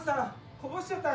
こぼしちゃった。